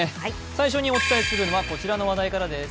最初にお伝えするのはこちらの話題からです。